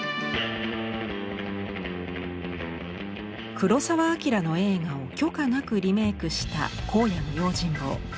黒澤明の映画を許可なくリメイクした「荒野の用心棒」。